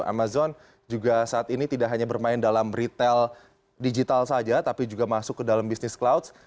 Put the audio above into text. amazon juga saat ini tidak hanya bermain dalam retail digital saja tapi juga masuk ke dalam bisnis clouds